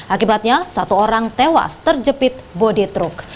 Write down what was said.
akibatnya satu orang tewas terjepit bodi truk